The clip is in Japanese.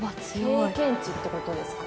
経験値ってことですか？